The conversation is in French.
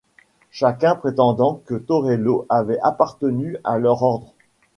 Chacun prétendant que Torello avait appartenu à leur ordre.